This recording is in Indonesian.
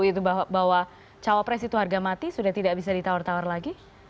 itu bahwa cawapres itu harga mati sudah tidak bisa ditawar tawar lagi